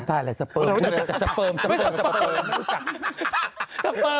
ตายแล้วสเปอร์มสเปอร์มสเปอร์ม